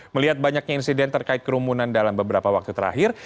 melihat banyaknya insiden terkait kerumunan dalam beberapa waktu terakhir